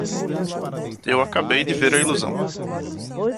Eu acabei de ver a ilusão!